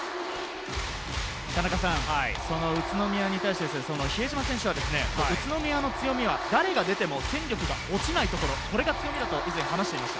その宇都宮に対して比江島選手、宇都宮の強みは誰が出ても戦力が落ちないところ、これが強みだと以前、話していました。